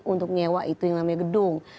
untuk nyewa itu yang namanya gedung